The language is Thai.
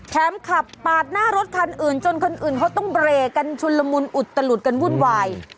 ขับปาดหน้ารถคันอื่นจนคนอื่นเขาต้องเบรกกันชุนละมุนอุตลุดกันวุ่นวาย